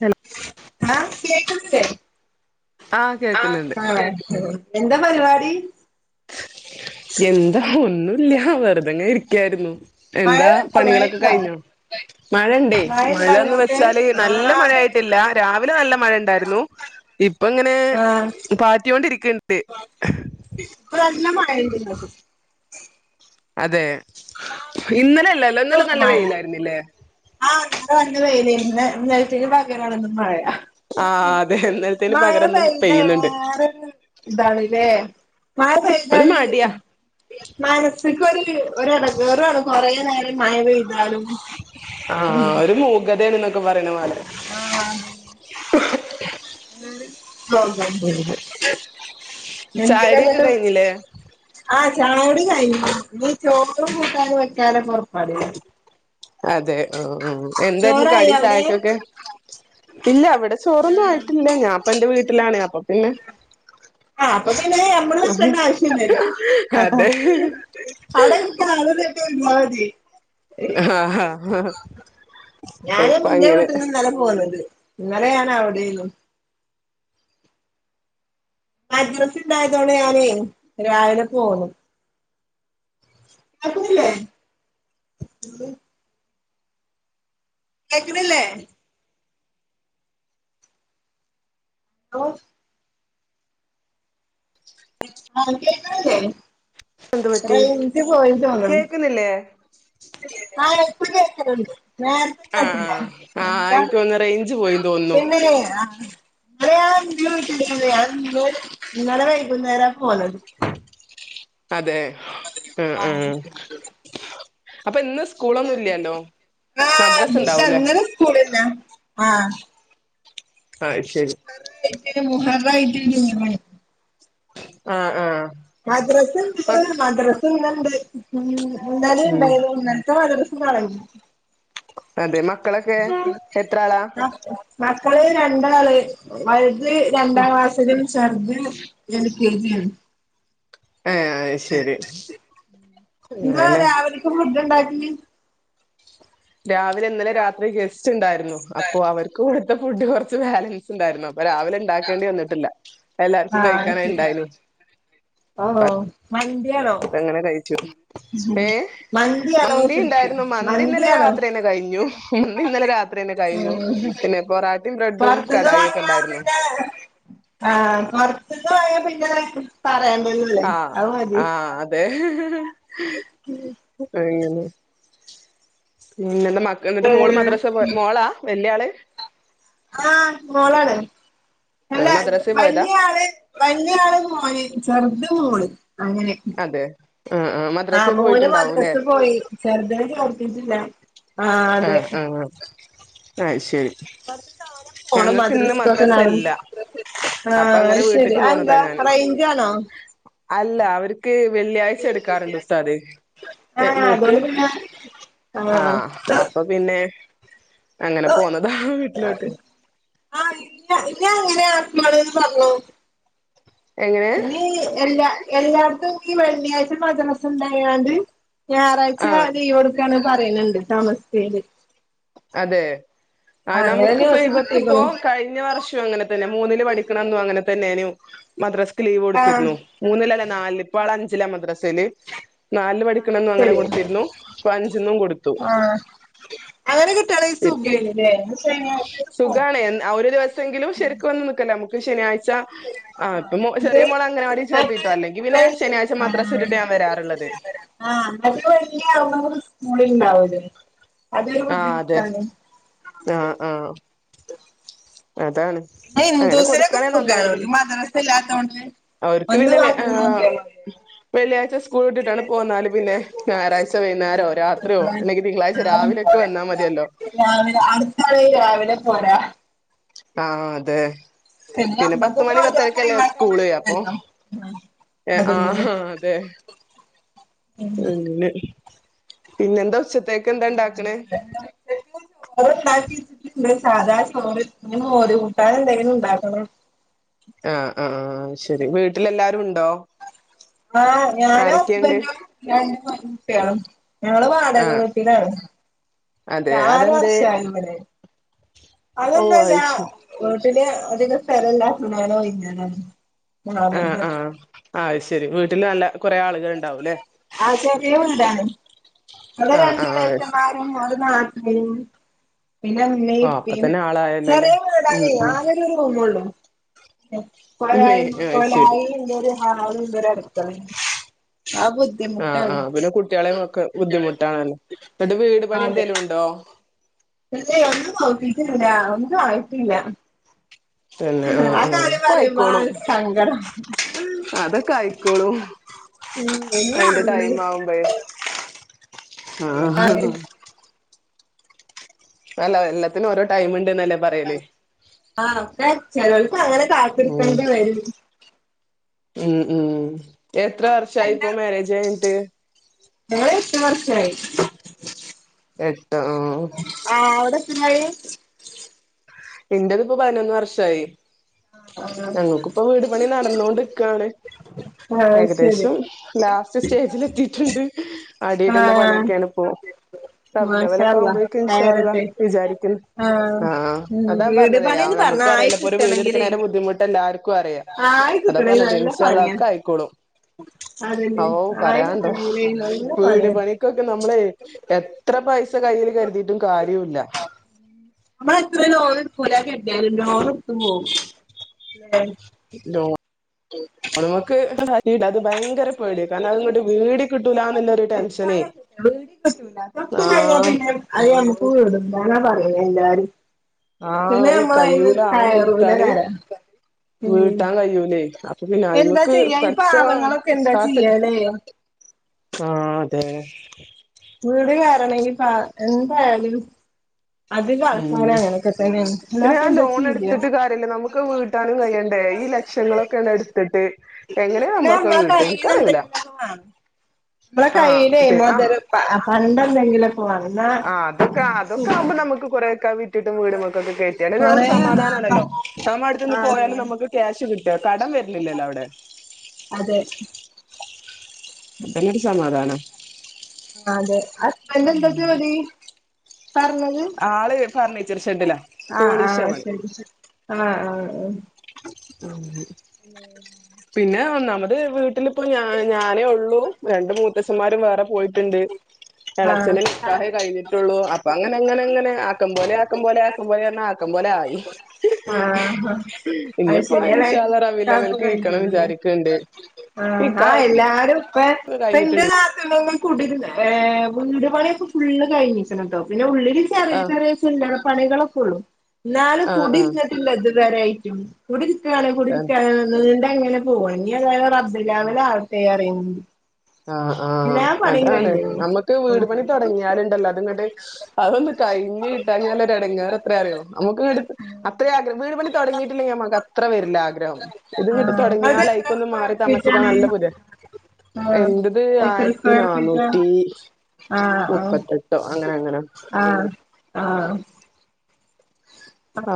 Hello ആ കേകുന്നിലെ ആഹ് കേക്ന്ന്ണ്ട് എന്താ പരിവാടി എന്താ ഒന്നുല്ല്യ വെറ്തെങ്ങെനെ ഇരിക്കാരുന്നു എന്താ മഴണ്ടോ പണികളൊക്കെ മഴണ്ടോ കഴിഞ്ഞൊ മഴയണ്ടയ് മഴണ്ടോ മഴന്ന് അങ്ങോട്ട് വെച്ചാല് നല്ല മഴ ആഹ് ആയിട്ടില്ല രാവിലെ നല്ല മഴ ണ്ടാരുന്നു ഇപ്പങ്ങനെ ആഹ് പാറ്റിയോണ്ടിരിക്ക്ണ്ട് ഇപ്പ നല്ല മഴണ്ട് ഇങ്ങട് അതെ ഇന്നലെല്ലല്ലോ ഇന്നലെ ഇപ്പളുണ്ട് നല്ല മഴ വെയിലായിരുന്നില്ലേ ആഹ് ഇന്നലെ നല്ല വെയിലെന്നു ഇന്ന് ഇന്നൽതീന് പകരാണ് ഇന്ന് മഴ ആഹ് അതെ ഇന്നലത്തേന് മയ പകരം ഇന്ന് പെയ്യുന്നുണ്ട് പൈതങ്ങനെ [unintelligible] താണ്ല്ലേ മയ ഒരു പൈതാല് മടിയാ മയ [unintelligible] ക്കൊരു ഒരെടെങ്ങേറുആണ് കൊറേ നേരം മഴ പെയ്താലും ആ ഉം ഒരു മൂഗതേണ്നൊക്കെ പറീണ പോലെ ആഹ് അതന്നെ [inaudible] [unintelligible] ചായുടിയൊക്കെ ലങ്ങ്ട്ടും കഴിഞ്ഞില്ലേ ആ ച ചായുടി കയിഞ്ഞു ഇഞ്ഞി ചോറും കൂട്ടാനും വെക്കാനപ്പൊ പണില്ലേ അതെ ആ ആ എന്തേരുന്നു കടി അവിടെ ചായക്കൊക്കെ ഇല്ല ഇവിടെ ചോറൊന്നും ആയിട്ടില്ല ഞാൻപ്പന്റെ വീട്ടിലാണ് അപ്പൊ പിന്നെ ആ അപ്പൊ പിന്നെ ഞമ്മള് വെക്കേണ്ട ആവശ്യല്ലല്ലൊ അതെ അവടെ [unintelligible] [unintelligible] ആഹ് ആഹ് ഞാനും അപ്പ ന്റെ അങ്ങനെ വീട്ട്ന്ന് ന്നലെ പോന്നത് ഇന്നലെ ഞാനവടെന്നു മദ്രസ് ണ്ടായതോണ്ട് ഞാനേ രാവിലെ പോന്നു കേക്കുന്നില്ലേ കേക്ക്ണ്ല്ലേ ഓ ക്ക്ണില്ലേ എന്ത് പറ്റി റേഞ്ച് പോയി തോനുണ് കേക്കുന്നില്ലേ ആ ഇപ്പ കേക്ണ്ട് നേർത്തെ ആഹ് കേട്ട്ല ആഹ് ആഹ് എന്ത എനിക്ക് തോന്നുന്നു റേഞ്ച് പോയി തോന്നുന്നു പിന്നെ പിന്നെ ല്ലേ [unintelligible] ന്നലെ ഞാന്റെ വീട്ടിലെന്നു ഞാൻ ഇന്ന് ഇന്നലെ വൈകുന്നേരാ പോന്നത് അതെ [unintelligible] ആഹ് [unintelligible] അപ്പൊ ഇന്ന് സ്കൂളൊന്നും ഇല്ലണ്ടോ ആഹ് നിഷ അങ്ങനെ സ്കൂളില്ല ആഹ ആ ശരി മുഖറായിട്ട ആഹ ആഹ മദ്രസുണ്ട് മദ്രസ ഉണ്ട് ഉ ഉന്നര ഉം ഉണ്ടായിത് ഉന്നനത്തെ മദ്ര [unintelligible] ആ അതെ മക്കളൊക്കെ എത്ര ആളാ മക്കള് രണ്ടാള് വലുത് രണ്ടാം ക്ലാസ്സിലും ചെറുത് എൽകെജി ആണ് ഏഹ് ശരി എന്ത അങ്ങനെല്ലേ രാവിലേയ്ക്ക് ഫുഡ് ഉണ്ടാക്കിയെ രാവിലെ ഇന്നലെ രാത്രി ഗസ്റ്റ് ഉണ്ടായിരുന്നു അപ്പൊ അവർക്ക് കൊടുത്ത ഫുഡ് കുറച്ച് ബാലൻസ് ഉണ്ടായിരുന്നു ഇപ്പ രാവിലെ ഉണ്ടാക്കേണ്ടി വന്നിട്ടില്ല എല്ലാർക്കും ആ കഴിക്കാന ശരി ഇണ്ടായിനു ഓ മ അത അങ്ങനെ കഴിച്ചു ഏ അളവ് മന്തി ശരിക്കും ഉണ്ടായിരുന്നു മന്തി ഇന്നലെ അളവ് രാത്രിന്നെ കഴിഞ്ഞു ന്ന് ഇന്നലെ രാത്രി തന്നെ കഴിഞ്ഞു ഉം പിന്നെ പൊറാട്ടയും ബ്രെഡും കടായി ഒക്കെ ഉണ്ടായിരുന്നു ആഹ കൊറച്ച പിന്നെ പറയാ ആഹ ആഹ അതെ അനെ പിന്നെ എന്ത മക്കള് എന്നിട്ട് മോള് ഏഹ് മദ്രസ മോളാ വലിയ ആള് ആഹ മോളാണ് അല്ല മദ്രസ പോയതാ വലിയ ആള് വലിയ ആള് മോന് ചെറുത് മോള് അങ്ങനെ അതെ ആ ആ മദ്രസ മോന് പോയിട്ടുണ്ടാവൂല്ലേ മദ്രാസ്ൽ പോയി ചെറുത് ക്കജില്ല [unintelligible] ആഹ ആഹ ആഹ് ശരി വറ താനം പോണം ഞങ്ങൾക്ക് ഇന്ന് മദ്രസക്കൊക്കെ ന മദ്രസ ഇല്ല [unintelligible] അപ്പൊ ആഹ അങ്ങനെ ശരി വീട്ട്ക്ക് പോന്നതാ എന്താ ഞാന് റേഞ്ച് ആണോ അല്ല അവർക്ക് വെള്ളിയാഴ്ച എടുക്കാറുണ്ട് ഉസ്താദ ആഹ അതോണ്ട് പിന്ന ആഹ അപ്പൊ പിന്നെ അങ്ങനെ പോന്നതാ വീട്ടിലോട്ട് പി അങ്ങനെ ആത്മാളന്ന് പറഞ്ഞോ എങ്ങനെ പിന്ന എല്ലാ എല്ലാർത്തും ഈ വെള്ളിയാഴ്ച മദ്രസ ഉണ്ടായാണ്ട് ഞായറാഴ്ച ആഹ് ലീവ് കൊടുക്കാണ് പറയണണ്ട് തമസ്യില് അതെ ആ നമുക്കിപ്പോ ന്യൂസ് ഇവക്കിപ്പോ കിട്ടീക്ക്ണു കഴിഞ്ഞ വർഷം അങ്ങനെ തന്നെ മൂന്നില് പഠിക്കണംഅങ്ങനെ മദ്രാക്ക് ലീവ് ആഹ് കൊടുത്തിരുന്നു മൂന്നിലല്ലേ നാല ഇപ്പൾ അഞ്ചില മദ്രാ ശല നാല് ആഹ് പഠിക്കണെന്നും അങ്ങനെ ശരി കൊടുത്തിരുന്നു അപ്പൊ അഞ്ചന്നും കൊടുത്തു ആഹ് അങ്ങനെ കെട്ടടളൈസൊക്കണല്ലേ സുഖണ് ഒരു ദിവസെങ്കിലും ശക്ക് വന്ന നക്കല നമുക്ക് ശനാഴ്ച പ ആ ഇപ്പൊ മറ്റേ ചെറിയ മോളെ മറ്റേ അംഗനവാടിചേർത്തിട്ടോ അല്ലെങ്കി പിന്നെ വെൾ ശനിയാഴ്ച മാദ്രാസ ഇട്ടിട്ട് ഞാൻ വരാറുള്ളത് ആഹ അങ്ങത് വല്യ ആവുന്ന സ്കൂളിൽ ഉണ്ടാവൂല അതൊരു ആ അതെ ബുദ്ധിമുട്ടാണ് ആ ആ അതാണ് പിന്നെ അങ്ങനെ ഹിന്ദൂസിനൊക്കെ കൊടുക്കണേ സുഖാണ് നന്നായിരുന്നു ഓൽക്ക് മദ്രസ ഇല്ലാത്തോണ്ട് അവർക്ക് ഒന്ന് പിന്നെ വാത്ത്ക്ക് നോക്കിയാ വെള്ളിയാഴ്ച സ്കൂൾ ഇട്ടിട്ടാണ് പോന്നാല് പിന്നെ ഞായറാഴ്ച വൈകുന്നേരോ രാത്രിയോ ആാഴ്ച അല്ലെങ്കിൽ തിങ്കളാഴ്ച വൈകേരം പോ രാവിലെയൊക്കെ വന്നാ മതിയല്ലോ രാവെ അടുത്താള രാവിലെ [unintelligible] പോരാ ആഹ അതെ പിന്നെ നമ്മക്ക് പത്ത് മണി മദ്രസ പത്തരക്കല്ലേ ഒഴിവാക്കാൻ സ്കൂള് അപ്പൊ പറ്റില്ലല്ലോ ആഹ്ഹ അതിന് അതെ [unintelligible] [inaudible] ഇത്തേക്ക എന്താണ്ടാക്കണ ചോറ് ഉണ്ടാക്കി സാധാ ചോറ് മോര് കൂടാൻ എന്തേലും ഒണ്ടാക്കണം ആഹ ആഹ ആ് ശരി വീട്ടിലെല്ലാവരും ഉണ്ടോ ആഹ് ഞാനും ആരൊക്കെയുണ്ട് ഹസ്ബൻഡും രണ്ട് കൊച്ചുകുട്ടികളും ഞങ്ങൾ വാടക ആഹ് വീട്ടിലാണ് [unintelligible] അതെ അതെന്തേ വർഷമായി ഓ അയ്ശരി [inaudible] പിന്നെ അധികം [unintelligible] ആ മാറിയത് ആഹ് അതുശെരി വീട്ടിലും കൊറേ ആളുകൾ ഇണ്ടാവുമില്ലേ ആ ചെറിയ വിട്ടാണ് ആഹ് ആഹ് അത് ശരി ആ അപ്പൊ തന്നെ [unintelligible] ആളായല്ലോല്ലേ ചെറിയ ഉം വിട്ടാണ് ഉം ആക്കെ ഒരു റൂമേയുള്ളു മേ അത് ശരി [unintelligible] ആഹ് ആഹ് പിന്നെ കുറ്റകളെയൊക്കെ ബുദ്ധിമുട്ടാണ് എന്നിട്ട് വിട് പണി അതെ എന്തെല്ലുമുണ്ടോ ഒന്നും ആയിട്ടില്ല പിന്നെ ആഹ ആ ആഹ കാര്യം ഓക്കെ പറയുമ്പോ ആയിക്കോളും സങ്കടം അതൊക്കെ ആയിക്കോളൂ ഉം അയിന്റെ ടൈം എന്നാവണ് ആവുമ്പോൾ ആഹ അല്ല എല്ലാത്തിനും ഓരോ ടൈം ഇണ്ട് ആ അ ചിലൾക്ക് അങ്ങനെ ഉം കാത്തിടുത്തേണ്ടേ വരും ഉം ഉം എത്ര വർഷ ആയിപ്പൊ മാരേജ് കഴിഞ്ഞിട്ട് ഞങ്ങൾ എട്ട് വർഷമായി എട്ട് ആഹ് ആ അവിടെ എത്രായി എന്റേതെപ്പോ പതിനൊന്ന് വർഷമായി ആഹ് ഞങ്ങൾക്കിപ്പൊ വീട് പണി നടന്നോണ്ടേരിക്കാണ് ആഹ് ശരി ഏകദേശം ലാസ്റ്റ് സ്റ്റേജിൽ എത്തിയിട്ടുണ്ട് അടിയിടുന്ന ആഹ് പണിയൊക്കെയാണ് ഇപ്പോ മാഷാ റബീഹുലവ്വലൊക്കെ അള്ളാ ആവുമ്പോഴേക്ക് ഇൻഷ അല്ലാഹ് കയറട്ടെ വിചാരിക്ക ആഹ് ഉം വീടു പണീന്ന് പറഞ്ഞ നമുക്കും ആയികിട്ടണങ്കിലെയ് [unintelligible] അറിയ അതാ പറഞ്ഞതെയ് ഇൻഷാ അല്ലാഹ് പണിയാ ഒക്കെ ആയിക്കോളും അതന്നെ ഔ ആയി പറയാണ്ടോ കിട്ടണെങ്കിലേ നല്ല വീട് പണിയാ പണിക്കൊക്കെ നമ്മളെയ് എത്ര പൈസ സ കയ്യിൽ കരുതിയിട്ടും കാര്യോല്ല [unintelligible] കിട്ടിയാലും ലോണ് ട്ത്ത് പോവും ലേ ലോ-ൺ മ്മക്ക് [unintelligible] അത് ഭയങ്കര പേടിയ കാരണം അത്ങ്ങട്ട് വീടി കിട്ടൂല ന്നുള്ളൊരു ടെൻഷനേയ് [unintelligible] അത് ഞമ്മക്കു ഞാനാ പറയുന്നേ എല്ലാരും ആഹ് പിന്നെ അഹ് നമ്മളയിന്ന് കയ്യൂല അഹൊന്നും കയറൂല എടുത്താല് കര ഉം വീട്ടാൻ കഴൂല്ലെയ് അപ്പൊ എന്താ പിന്നയി്മക്ക് ചെയ്യാ ഈ പടച്ചോൻ പാവങ്ങളൊക്കെ എന്താ കാത്ത് ചെയ്യാലേ ആഹ് അതേയ് വീട് കേറണങ്കിൽ [unintelligible] എന്തായാലും അധികം ഉം ആൾക്കാരും അങ്ങനൊക്കെ തന്നെയാണ് പിന്നെ അല്ലാപ്പ ആ എന്താ ലോൺ ചെയ്യാ എടുത്തിട്ട് കാര്യമില്ല നമ്മുക്ക് വീട്ടാനും കഴിയണ്ടേ? ഈ ലക്ഷങ്ങളൊക്കെട് എടുത്തിട്ട് എങ്ങനെയ പിന്നെ നമ്മളൊക്കെ നമ്മളെ വീട്ട എനിക്കറിയുല്ല. നമ്മളുടെ കൈയ്യിലെ മൊതല് പ പണ്ടം എന്തെങ്കിലും ആഹ് അതൊക്കെ അതൊക്കാവു നമ്മുക്ക് കൊറെയൊക്കെ വീട്ടിട്ടും വീടുമ്മേക്കൊക്കെ കേറ്റിയാൽ നമുക്ക് കൊറേ സമാധാനം ആണല്ലോ നമ്മുടെ ആ അടുത്തുനിന്ന് അതെ പോയാലും നമ്മുക്ക് ക്യാഷ് ഇ കിട്ടാ കടം വരില്ലല്ലോ അവിടെ. അതെ. അതന്നൊരു സമാധാനം. അതെ. ഹസ്ബൻഡ് എന്താ ജോലി പറഞ്ഞത്? ആള് ഫർണിച്ചർ ഷെഡിലാ ആഹ് പോളിഷാ ആഹ് പണി. ശരി ശരി ആഹ് ഉം പിന്നെ ഒന്നാമത് വീട്ടിലിപ്പോ ഞ ഞാനേ ഉള്ളൂ, രണ്ട് മൂത്തച്ഛമാരും വേറെ പോയിട്ടുണ്ട്, ആഹ് എളച്ഛന്റെ ആഹ് നിക്കാഹെ കഴിഞ്ഞിട്ടുള്ളൂ, അപ്പൊ അങ്ങനെങ്ങനെങ്ങനെ ആക്കം പോലേ ആക്കം പോലെ ആക്കാം പോലെ പറഞ്ഞാ ആക്കം പോലെ ആയി. ആഹ്. ഇനിയിപ്പോ അത്ശരി. ഇൻഷാ എളേച്ഛന്റെ അള്ളാ റബീഉൽ നിക്കാഹ് ഇപ്പൊ അവ്വൽക്ക് കഴിഞ്ഞേ ഇരിക്കണം ഉള്ളൂല്ലേ. വിചാരിക്ക്ണ്ട് ആഹ് ആ നിക്കാഹ് എല്ലാരും പ്പ പ്പെന്റെ കഴിഞ്ഞിട്ടുണ്ട് നാത്തൂനൊന്നും കൂടി വീട് പണിയിപ്പൊ ഫുള് കഴിഞ്ഞിക്ക്ണ് ട്ടോ പിന്നെ ഉള്ളിൽ ചെറിയ ആഹ് ചെറിയ ചില്ലറ പണികളൊക്കെ ഉള്ളു. എന്നാലും ആഹ് ആഹ് കുടിരുന്നിട്ടില്ല ഇത് വരെയിട്ടും കുടരിക്കാണ് കുടരിക്കാണ് [unintelligible] അങ്ങനെ പോവാ ഇഞ്ഞി അതായത് ആഹ് അബ്ദുലാമിനെ ആർത്തെ അറിയണ്ട്. ആഹ് ആഹ് അതാണ് നമ്മുക്ക് വീട് പണി കഴിഞ്ഞ്ണ് തുടങ്ങിയാലുണ്ടല്ലോ അതുങ്ങട്‌ അതൊന്ന കഴിഞ്ഞ് കിട്ടാഞ്ഞാലൊരെടങ്ങേറ് എത്രാറിയോ നമുക്ക്ടു അത്രെ ആഗ്ര വീട് പണി തുടങ്ങിയിട്ടില്ലെങ്കി നമക്ക് അത്ര വര ല്ല ആഗ്രഹം ഇതുങ്ങിട്ട് ആഹ് അത് തുടങ്ങിയാൽ എത്ര ഐക്കൊന്ന് സ്ക്വയർ മാറി താമസിക്കാൻ ഫീറ്റാണ് നല്ല പുതെ ആഹ് എന്റ്ത് എത്ര ആയിരത്തി സ്ക്വയർ ഫീറ്റാ നാന്നൂറ്റി ആഹ് ആഹ് മുപ്പത്തെട്ടോ അങ്ങനെ അങ്ങനെ ആഹ്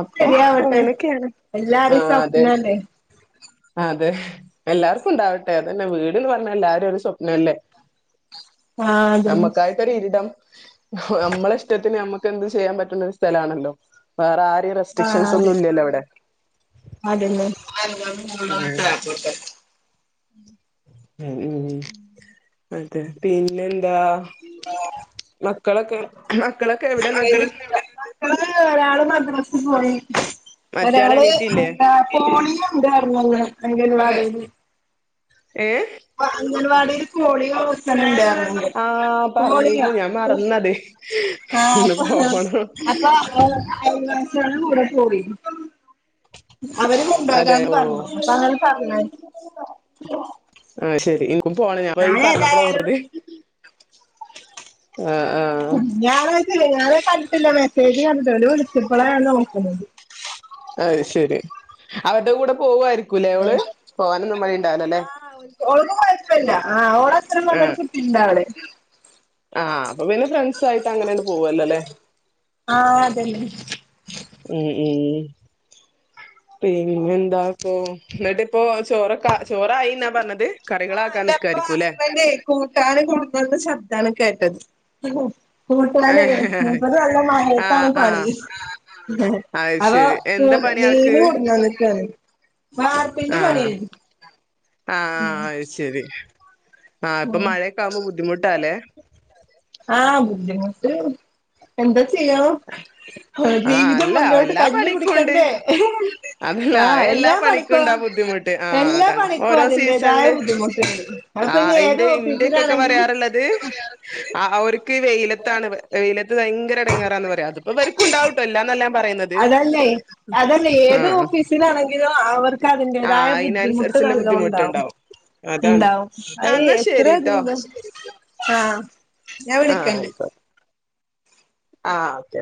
അപ്പൊ അങ്ങനെയൊക്കെയാണ് എല്ലാരും ആഹ് അതെ സ്വപ്നല്ലേ അതെ എല്ലാർക്കും ഉണ്ടാവട്ടെ അതന്നെ വീട്ന്ന് പറഞ്ഞ എല്ലാരും ഒരു സ്വപ്നല്ലേ ആഹ് അതന്നെ നമ്മക്കായിട്ടൊരു ഇരിടം നമ്മള ഇഷ്ടത്തിന് നമ്മുക്ക് എന്ത് ചെയ്യാൻ പറ്റുന്ന ഒരു സ്ഥലാണല്ലോ വേറെ ആ ആഹ് അതെ അതെന്നെ ഉം ഉം ഉം അതെ പിന്നെ എന്താ ആഹ് മക്കളൊക്കെ എവിടെ എന്നിട്ട് [unintelligible] മറ്റയാള് ഒരാള് എണീറ്റില്ലേ എന്താ ഫോണില് ഉണ്ടാര്ന്ന് [unintelligible] ഏഹ് അംഗൻവാടി ഒരു ആഹ് കോടിയ പറഞ്ഞിരുന്നു ഞാൻ മറന്നത് ഇന്ന് [unintelligible] പോണം [unintelligible] അതെ ഓ അപ്പൊ അങ്ങനെ പറഞ്ഞ് ആഹ്! ശരി ഇ പോണം ഞാൻ പോ ഈ പറഞ്ഞപ്പോള ഞാനേതായാലും ഓറത് ആ ഞായറാഴ്ച അല്ലെ ഞാന കണ്ടിട്ടില്ല മെസ്സേജ് കണ്ടോ വിളിച്ചപ്പോളാണ് നോക്കുന്നത് അ ശരി അവരുടെ കൂടെ പോവുയിരിക് കുലകള് പോവാനൊന്നും മഴി ഉണ്ടാവലോല്ലേ ഒളന്നും കുഴപ്പമില്ല ആ് ഓർ അത്രയും വന്നരു ആഹ് കുട്ടിണ്ട അവളെ ആഹ് അപ്പൊ പിന്നെ ഫ്രണ്ട്സ ആയിട്ട് അങ്ങനെയാണ് പോവല്ലോല്ലേ ആ അതല്ലെ ഉം ഉം പിന്നെ എന്താപ്പ എന്നിട്ടിപ്പോ ചോറക്ക ചോറായിന്നാ പറഞ്ഞത് ആ കറികളാക്കാൻ എ്റെ അപ്പൊ നിക്കായിരിക്കൂല്ലേ അസ്മന്റ കക്കെ കൊടുന്നന്ന് ശബ്ദാണ് കേ കേട്ടത് കൂട്ട ആഹ് മൂപ്പ നല്ല മയത്താണ് പണി ആഹ് അത് അ ശരി എന്താ പണി ആൾക്ക് മീന് കൊടന്നന്നക്കാണ് വാർപ്പിന്റെ പണിയണ്ട് ആ ആ് അത് ശരി ആ ഇപ്പൊ ഉം മഴയൊക്കെ ആവുമ്പോ ബുദ്ധിമുട്ടല്ലേ ആ ബുദ്ധിമുട്ട് എന്താ ചെയ്യ ആഹ് ജീവിതം അല്ല മുന്നോട്ട് എല്ലാ കഞ്ഞി പണിക്കും ഉണ്ട് കുടിക്കണ്ടേ അതല്ല ആ എല്ലാ എല്ലാം പണിക്കും പണിക്കോ ഉണ്ടാ ബുദ്ധിമുട്ട് ആഹ് എല്ലാം അതാണ് പണിക്കോ ഓരോ അതിൻ്റെതായ സീസണില് ബുദ്ധിമുട്ടുണ്ട് അപ്പന്ന ആഹ് ഏത് ഇന്റെ ഓഫിങ്കി ഇന്റെക്കൊക്കെ പറയാറുള്ളത് ആ അവർക്ക് ഈ വെയിലത്താണ് വെയിലത്ത് ഭയങ്കര അടങ്ങാറാന്ന് പറയാം അതിപ്പോവർക്കും ഉണ്ടാവട്ടോ അല്ല നല്ല അതല്ലേ അതല്ലെ ഏത് ആഹ് ഓഫീസിലണങ്കതോ അവർക്ക് അതിന്റേതായ ആഹ് ബുദ്ധിമുട്ട് അയിനനുസരിച്ചുള്ള വല്ലാം ഉണ്ടാവും ബുദ്ധിമുട്ടുണ്ടാവും അതാണ് ഉണ്ടാവും ആഹ് ആയ് എന്നാ എത്ര ശരിട്ടോ ന്താ ആ ഞാൻ വിളിക്കണ്ട് ആ ഓക്കെ